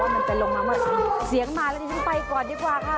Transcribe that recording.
มันจะลงมาเมื่อเสียงมาแล้วดิฉันไปก่อนดีกว่าค่ะ